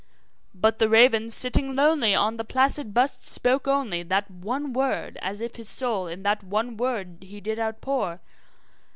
But the raven, sitting lonely on the placid bust, spoke only, That one word, as if his soul in that one word he did outpour.